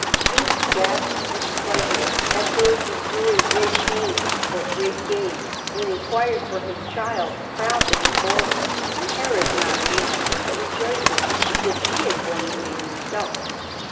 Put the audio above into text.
Zeus gasps with pleasure, as those enduring great pain for great gain, and inquires for his child, proud that he bore her, and Hera is not angry, but rejoices as if she had borne the maiden herself.